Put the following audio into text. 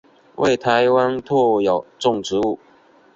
为台湾特有种植物。